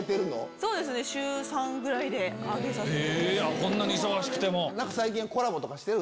こんなに忙しくても。